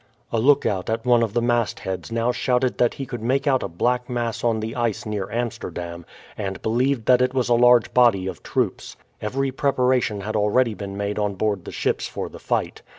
A lookout at one of the mastheads now shouted that he could make out a black mass on the ice near Amsterdam, and believed that it was a large body of troops. Every preparation had already been made on board the ships for the fight.